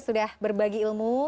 sudah berbagi ilmu